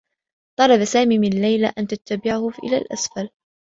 طلب سامي من ليلى أن تتبعه إلى الأسفل.